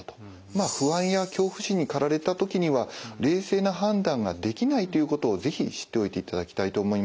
不安や恐怖心にかられた時には冷静な判断ができないということを是非知っておいていただきたいと思います。